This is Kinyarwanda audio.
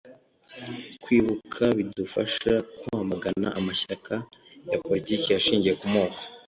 Kwibuka bidufasha kwamagana amashyaka ya politiki ashingiye ku moko